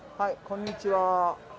こんにちは。